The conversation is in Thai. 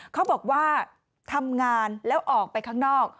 เขาบอกว่าทำงานแล้วออกไปข้างนอก